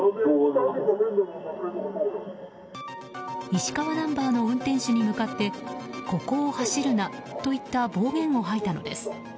石川ナンバーの運転手に向かってここを走るなといった暴言を吐いたのです。